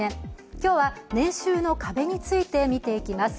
今日は年収の壁について見ていきます。